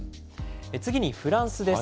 次にフランスです。